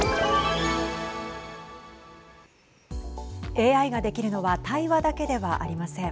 ＡＩができるのは対話だけではありません。